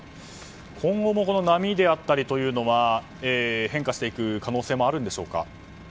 今後も波であったりというのは変化していく可能性もありますか。